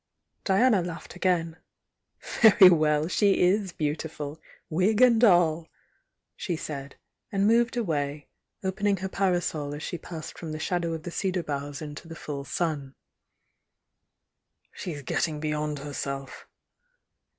Diana laughed again. "Very well, she is beautiful! Wig and all!" she said, and moved away, opening her parasol as she passed from the shadow of the cedar boughs into the full sun. "She's getting beyond herself!"